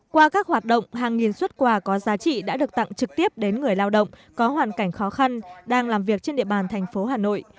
qua các hoạt động hàng nghìn xuất quà có giá trị đã được tặng trực tiếp đến người lao động có hoàn cảnh khó khăn đang làm việc trên địa bàn thành phố hà nội